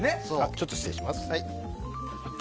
ちょっと失礼します。